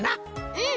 うん！